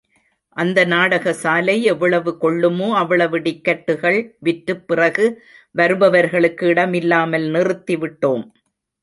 அந்த நாடகசாலை எவ்வளவு கொள்ளுமோ அவ்வளவு டிக்கட்டுகள் விற்றுப் பிறகு வருபவர்களுக்கு இடம் இல்லாமல், நிறுத்தி விட்டோம்.